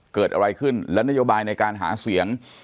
เกิดอะไรขึ้นและนโยบายในการหาเสียง